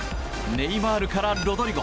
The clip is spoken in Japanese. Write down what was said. ネイマールからロドリゴ。